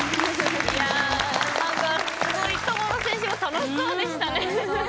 すごい友野選手も楽しそうでしたね。